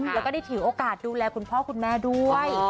แล้วก็ได้ถือโอกาสดูแลคุณพ่อคุณแม่ด้วย